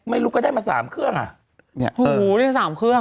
ไม่รู้ก็ได้มาสามเครื่อง